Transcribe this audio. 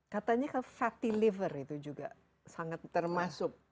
katanya kan fatty liver itu juga sangat termasuk